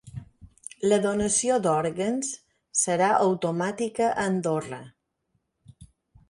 La donació d’òrgans serà automàtica a Andorra.